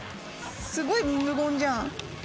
すごい無言じゃん。